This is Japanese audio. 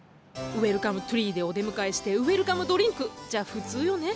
ウエルカムトゥリーでお出迎えしてウエルカムドリンクじゃ普通よね。